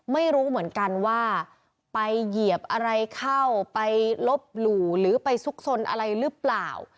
ไม่รู้เหมือนกันว่าไปเหยียบอะไรเข้าไปลบหลู่หรือไปซุกซนอะไรหรือเปล่า